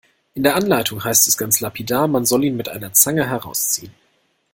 In der Anleitung heißt es ganz lapidar, man soll ihn mit einer Zange herausziehen.